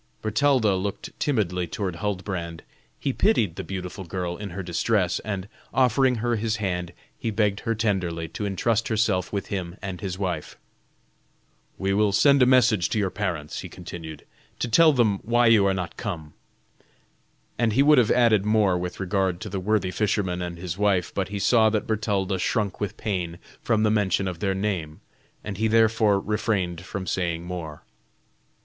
Bertalda looked timidly toward Huldbrand. He pitied the beautiful girl in her distress, and offering her his hand he begged her tenderly to intrust herself with him and his wife. "We will send a message to your parents," he continued, "to tell them why you are not come;" and he would have added more with regard to the worthy fisherman and his wife, but he saw that Bertalda shrunk with pain from the mention of their name, and he therefore refrained from saying more.